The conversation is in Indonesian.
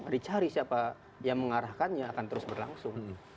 dicari siapa yang mengarahkannya akan terus berlangsung